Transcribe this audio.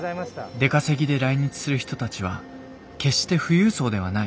出稼ぎで来日する人たちは決して富裕層ではない。